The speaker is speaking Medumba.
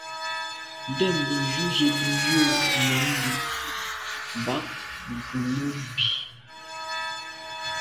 Ndə̂mbə́ jú zə̄ bū jʉ̂ nyɔ̌ŋ lí’ bɑ̌k gə̀ mə́ bí.